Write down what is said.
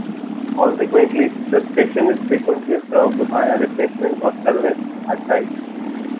Consequently, the station is frequently served by a replacement bus service at night.